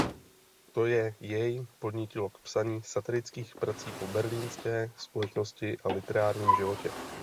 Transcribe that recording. To je jej podnítilo k psaní satirických prací o berlínské společnosti a literárním životě.